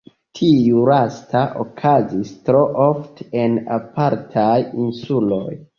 Tiu lasta okazis tro ofte en apartaj insuloj.